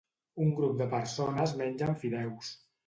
Un grup de persones mengen fideus.